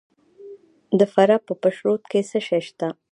د فراه په پشت رود کې څه شی شته؟